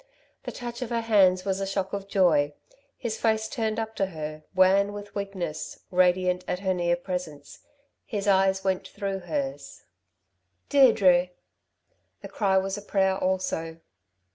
The touch of her hands was a shock of joy. His face turned up to her, wan with weakness, radiant at her near presence. His eyes went through hers. "Deirdre!" The cry was a prayer also.